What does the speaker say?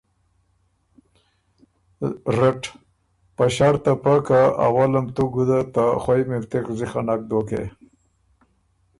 رټ: په ݭړط ته پۀ که اولم تُو ګُده ته خوئ مِلتِغ زِخه نک دوکې۔